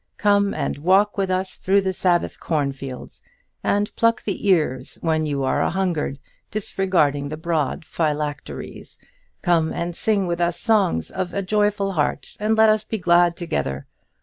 Come and walk with us through the Sabbath cornfields, and pluck the ears when you are a hungered, disregarding the broad phylacteries. Come and sing with us songs of a joyful heart, and let us be glad together.